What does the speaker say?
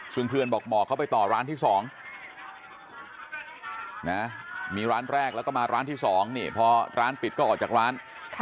ซึ่งเพื่อนบอกหมอเขาไปต่อร้านที่๒มีร้านแรกแล้วก็มาร้านที่๒นี่พอร้านปิดก็ออกจากร้าน